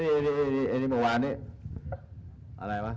เนี้ยมันมาวานนี้